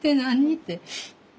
って。